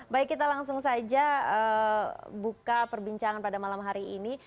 baik kita langsung saja buka perbincangan pada malam hari ini